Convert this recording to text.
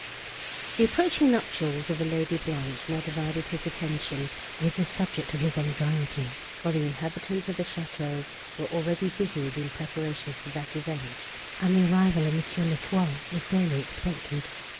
The approaching nuptials of the Lady Blanche now divided his attention with this subject of his anxiety, for the inhabitants of the château were already busied in preparations for that event, and the arrival of Mons. St. Foix was daily expected.